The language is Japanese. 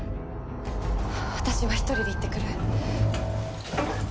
私は一人で行ってくる。